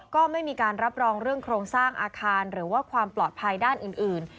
ก็ไม่มีการรับรองเรื่องโครงสร้างอาคารหรือว่าความปลอดภัยด้านอื่น